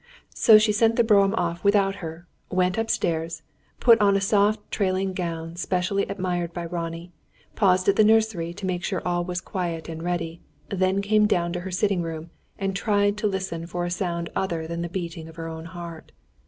So she sent the brougham off without her, went upstairs, put on a soft trailing gown specially admired by Ronnie, paused at the nursery to make sure all was quiet and ready, then came down to her sitting room, and tried to listen for a sound other than the beating of her own heart.